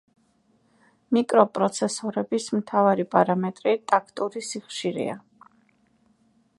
მიკროპროცესორების მთავარი პარამეტრი ტაქტური სიხშირეა.